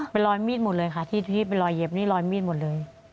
เป็นรอยมีดหมดเลยค่ะที่เป็นรอยเย็บนี่รอยมีดหมดเลย